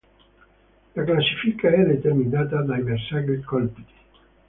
La classifica è determinata dai bersagli colpiti.